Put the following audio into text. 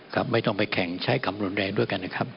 ไม่ต้องไปแข่งใช้คำรุนแรงด้วยกันนะครับ